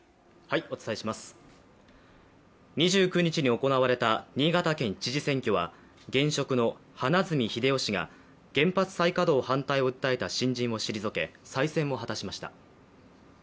２９日に行われた新潟県知事選挙は現職の花角英世氏が原発再稼働反対を訴えた新人を退け、再選を果たしました。